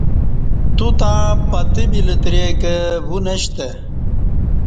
توتݩع پتہ بی لتریکہ وونشتہ